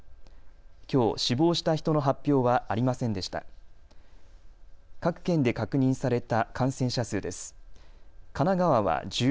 きょう死亡した人の発表はありませんでした。